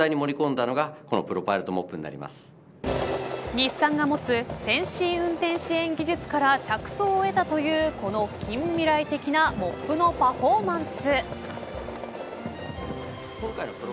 日産が持つ先進運転支援技術から着想を得たというこの近未来的なモップのパフォーマンス。